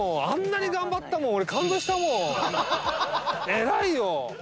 偉いよ！